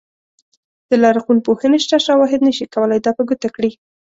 د لرغونپوهنې شته شواهد نه شي کولای دا په ګوته کړي.